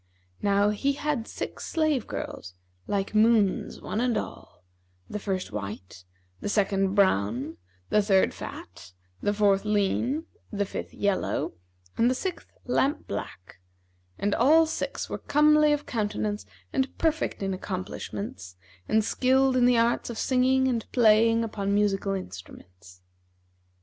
Now he had six slave girls, like moons one and all; the first white, the second brown, the third fat, the fourth lean, the fifth yellow and the sixth lamp black; and all six were comely of countenance and perfect in accomplishments and skilled in the arts of singing and playing upon musical instruments.